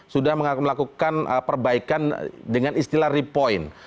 sudah melakukan perbaikan dengan istilah repoint